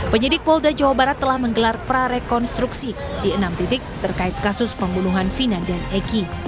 penyidik polda jawa barat telah menggelar prarekonstruksi di enam titik terkait kasus pembunuhan vina dan eki